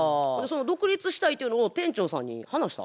独立したいっていうのを店長さんに話した？